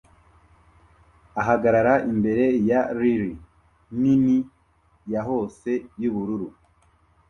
ahagarara imbere ya reel nini ya hose yubururu